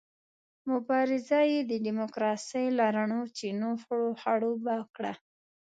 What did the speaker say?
مبارزه یې د ډیموکراسۍ له رڼو چینو خړوبه کړه.